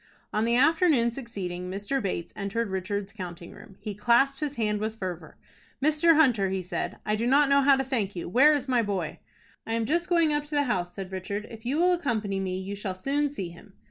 On the afternoon succeeding, Mr. Bates entered Richard's counting room. He clasped his hand with fervor. "Mr. Hunter," he said, "I do not know how to thank you. Where is my boy?" "I am just going up to the house," said Richard. "If you will accompany me, you shall soon see him."